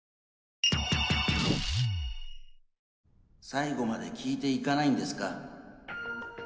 最後まで聞いていかないんですか？